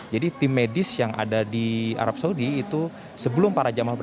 jadi tim medis yang ada di arab saudi itu sebelum para jemaah haji